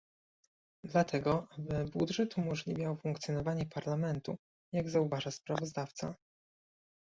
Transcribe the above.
Dlatego aby budżet umożliwiał funkcjonowanie Parlamentu, jak zauważa sprawozdawca